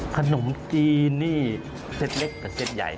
ขนมจีนนี่เซ็ตเล็กกับเซ็ตใหญ่